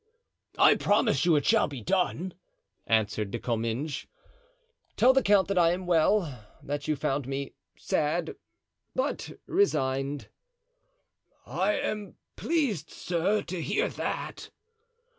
"I promise you it shall be done," answered De Comminges. "Tell the count that I am well; that you found me sad, but resigned." "I am pleased, sir, to hear that."